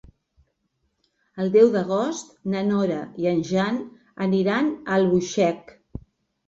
El deu d'agost na Nora i en Jan iran a Albuixec.